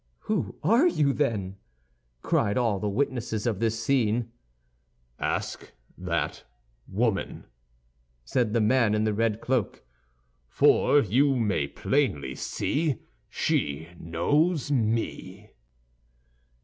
"Who are you, then?" cried all the witnesses of this scene. "Ask that woman," said the man in the red cloak, "for you may plainly see she knows me!"